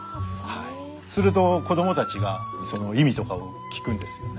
すると子どもたちがその意味とかを聞くんですよね。